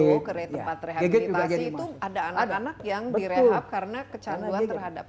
saya pernah ke yang gido ke tempat rehabilitasi itu ada anak anak yang direhab karena kecanduan terhadap